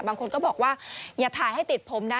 บางคนก็บอกว่าอย่าถ่ายให้ติดผมนะ